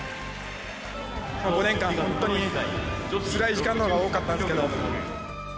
５年間、本当につらい時間のほうが多かったんですけど。